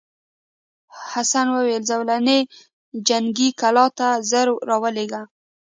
حسن وویل زولنې جنګي کلا ته ژر راولېږه.